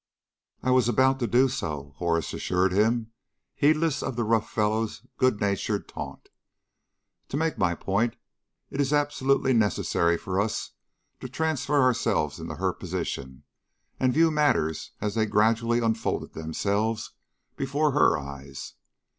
"I was about to do so," Horace assured him, heedless of the rough fellow's good natured taunt. "To make my point, it is absolutely necessary for us to transfer ourselves into her position and view matters as they gradually unfolded themselves before her eyes.